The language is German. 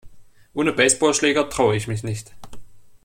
Ohne Baseballschläger traue ich mich nicht.